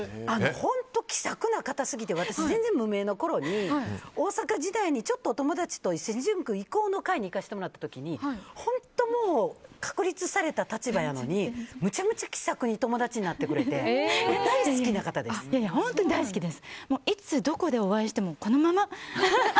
本当、気さくな方すぎて私、全然無名のころに大阪時代にちょっと友達と伊勢神宮行こうの会に行かせてもらった時にもう確立された立場やのにむちゃむちゃ気さくに友達になってくれていつ、どこでお会いしてもこのまま。